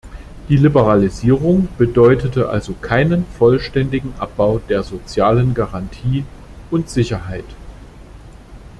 Die Liberalisierung bedeutete also keinen vollständigen Abbau der sozialen Garantie und Sicherheit.